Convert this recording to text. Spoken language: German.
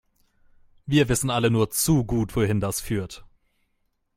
Wir wissen alle nur zu gut, wohin das führt.